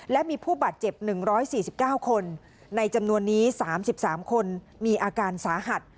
และมีผู้บาดเจ็บ๑๔๙คนในจำนวนนี้๓๓คนมีอาการสาหัส